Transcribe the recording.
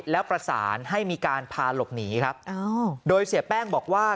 แล้วประสานให้มีการพาหลบหนีครับโดยเสียแป้งบอกว่า